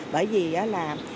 bởi vì là